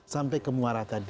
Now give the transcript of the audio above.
sampai ke muara tadi